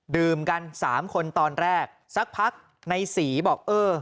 ดื่มกันสามคนตอนแรกสักพักในศรีบอกเออ